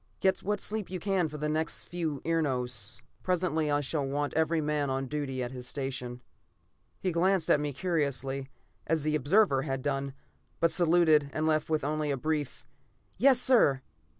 "Get what sleep you can the next few enaros. Presently I shall want every man on duty and at his station." He glanced at me curiously, as the observer had done, but saluted and left with only a brief, "Yes, sir!"